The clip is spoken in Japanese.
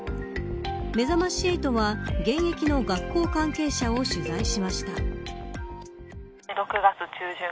めざまし８は現役の学校関係者を取材しました。